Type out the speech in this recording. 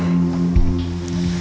udah jam enam